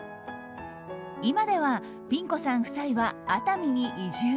今ではピン子さん夫妻は熱海に移住。